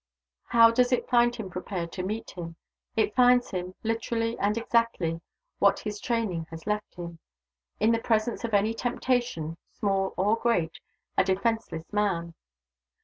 How does it find him prepared to meet it? It finds him, literally and exactly, what his training has left him, in the presence of any temptation small or great a defenseless man.